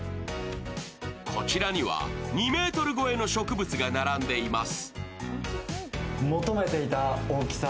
こちらには２ｍ超えの植物が並んでいます。